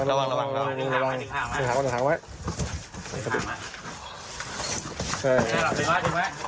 ระวังยิงข้าวไหม